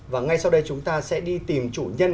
và ngay sau đây chúng ta sẽ đi tìm chủ nhân